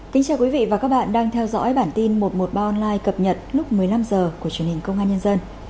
kính chào quý vị và các bạn đang theo dõi bản tin một trăm một mươi ba online cập nhật lúc một mươi năm h của truyền hình công an nhân dân